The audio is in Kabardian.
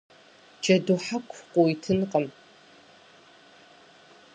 Джэду хьэху къыуитынкъым.